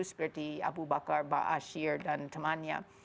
seperti abu bakar ba'al syir dan temannya